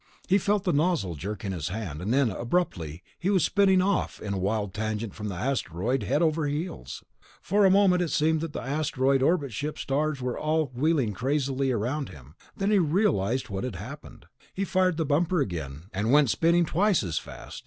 He felt the nozzle jerk in his hand, and then, abruptly, he was spinning off at a wild tangent from the asteroid, head over heels. For a moment it seemed that asteroid, orbit ship and stars were all wheeling crazily around him. Then he realized what had happened. He fired the bumper again, and went spinning twice as fast.